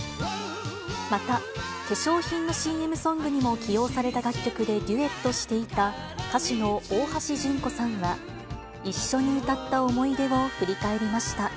また、化粧品のＣＭソングにも起用された楽曲でデュエットしていた、歌手の大橋純子さんは、一緒に歌った思い出を振り返りました。